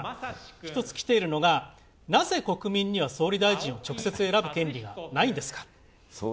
１つ来ているのが、なぜ国民には総理大臣を直接選ぶ権利がないんですか。